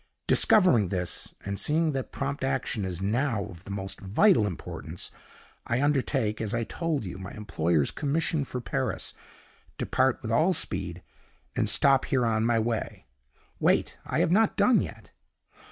Discovering this, and seeing that prompt action is now of the most vital importance, I undertake, as I told you, my employer's commission for Paris, depart with all speed, and stop here on my way. Wait! I have not done yet.